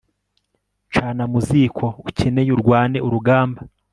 cana mu ziko, ukeneye urwane urugamba